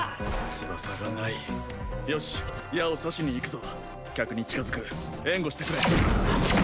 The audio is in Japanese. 翼がないよし矢を刺しに行くぞ客に近づく援護してくれああ